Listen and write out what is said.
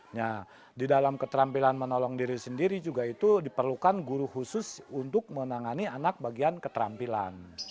nah di dalam keterampilan menolong diri sendiri juga itu diperlukan guru khusus untuk menangani anak bagian keterampilan